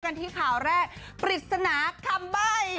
กันที่ข่าวแรกปริศนาคำใบ้